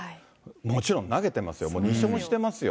もちろん投げてますよ、もう２勝してますよ。